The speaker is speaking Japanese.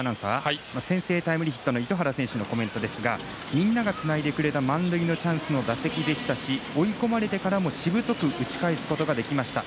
先制タイムリーヒットの糸原選手のコメントですがみんながつないでくれた満塁のチャンスの打席でしたし追い込まれてからも、しぶとく打ち返すことができました。